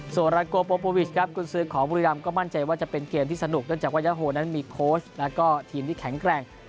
ส่วนราโกโปโปวิชครับคุณซื้อของบุรีรำก็มั่นใจว่าจะเป็นเกมที่สนุกเนื่องจากว่ายาโฮนั้นมีโค้ชแล้วก็ทีมที่แข็งแกร่ง